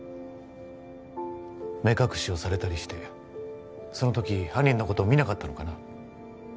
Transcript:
目隠しをされたりしてその時犯人のことを見なかったのかな？